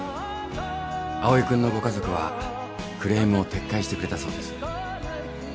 蒼君のご家族はクレームを撤回してくれたそうです。